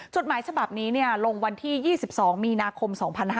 จดหมายฉบับนี้ลงวันที่๒๒มีนาคม๒๕๕๙